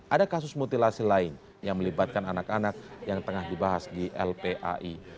ada kasus mutilasi lain yang melibatkan anak anak yang tengah dibahas di lpai